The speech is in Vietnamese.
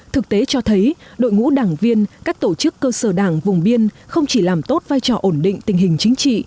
thực tế cho thấy đội ngũ đảng viên các tổ chức cơ sở đảng vùng biên không chỉ làm tốt vai trò ổn định tình hình chính trị